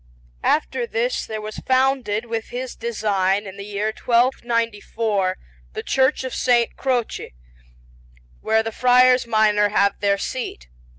After this there was founded with his design, in the year 1294, the Church of S. Croce, where the Friars Minor have their seat.